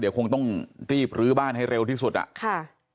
เดี๋ยวคงต้องรีบลื้อบ้านให้เร็วที่สุดอ่ะค่ะ